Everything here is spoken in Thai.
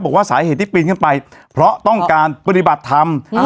บอกว่าสาเหตุที่ปีนขึ้นไปเพราะต้องการปฏิบัติธรรม